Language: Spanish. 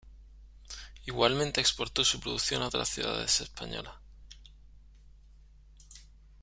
Igualmente exportó su producción a otras ciudades españolas.